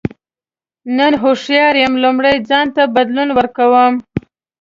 نن هوښیار یم لومړی ځان ته بدلون ورکوم.